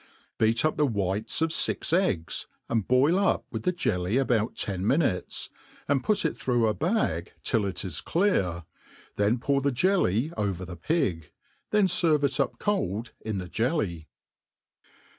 Beat up the whites of fix eggs, and boil up with the jelly about Un minutes; \dnd put it through a bag till it is clear^ then pour the jelly bver the pigi then ferve it up cold in the jelly.